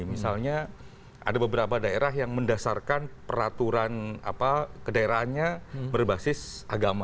misalnya ada beberapa daerah yang mendasarkan peraturan kedaerahannya berbasis agama